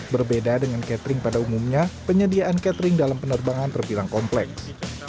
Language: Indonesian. berbeda dengan catering pada umumnya penyediaan catering dalam penerbangan terbilang kompleks